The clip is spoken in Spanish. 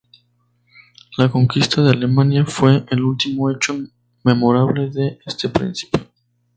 La conquista de Alemania fue el último hecho memorable de este príncipe.